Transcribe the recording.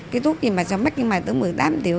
cái thuốc gì mà sao mắc như mày tức một mươi tám triệu